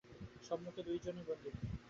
সম্মুখে দুইজন বন্দী।